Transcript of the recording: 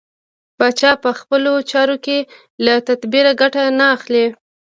پاچا په خپلو چارو کې له تدبېره کار نه اخلي.